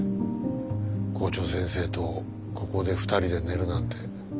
校長先生とここで２人で寝るなんて。